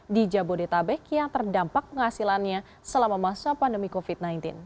di jabodetabek yang terdampak penghasilannya selama masa pandemi covid sembilan belas